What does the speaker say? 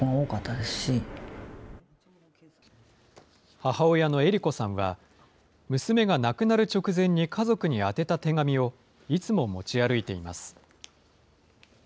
母親のえりこさんは、娘が亡くなる直前に家族に宛てた手紙をいつも持ち歩いています。